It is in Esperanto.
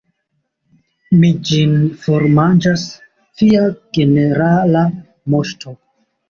Mi ĝin formanĝas, Via Generala Moŝto.